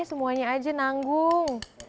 semuanya aja nanggung